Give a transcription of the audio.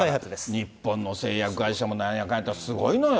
日本の製薬会社もなんやかんやすごいのよ。